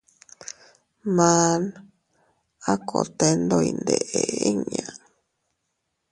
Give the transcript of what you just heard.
Maan a kote ndo iyndeʼe inña.